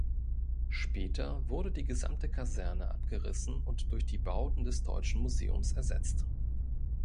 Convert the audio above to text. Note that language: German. Später wurde die gesamte Kaserne abgerissen und durch die Bauten des Deutschen Museums ersetzt.